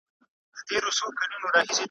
پر پردیو ما ماتم نه دی لیدلی `